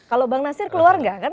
kalau bang nasir keluar nggak